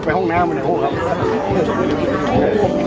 พระเจ้าข้าว